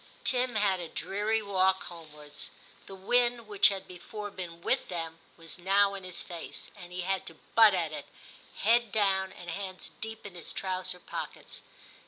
Tim had a dreary walk homewards; the wind, which had before been with them, was now in his face, and he had to butt at it, head down, and hands deep in his trouser pockets.